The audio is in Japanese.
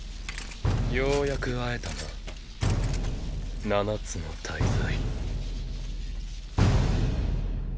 ようやく会えたな七つの大罪。